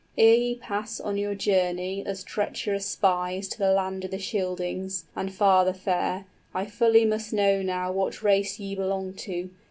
Ere ye pass on your journey As treacherous spies to the land of the Scyldings 65 And farther fare, I fully must know now What race ye belong to.